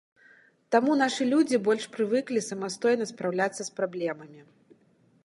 Таму нашы людзі больш прывыклі самастойна спраўляцца з праблемамі.